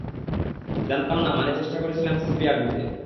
জানতাম না মানে চেষ্টা করেছিলাম সিপিআর দিতে।